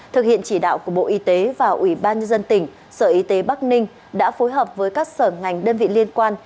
thực hiện chỉ đạo của bộ y tế và ủy ban nhân dân tỉnh sở y tế bắc ninh đã phối hợp với các sở ngành đơn vị liên quan